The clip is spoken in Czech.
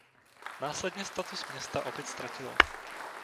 Následně status města opět ztratilo.